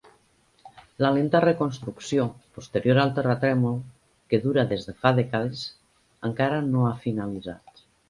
La lenta reconstrucció posterior al terratrèmol, que dura des de fa dècades, encara no ha finalitzat.